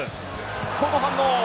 この反応！